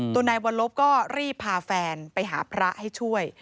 ตัวนายวัลลบก็รีบพาแฟนไปหาพระให้ช่วย